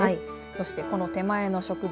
そしてこの手前の植物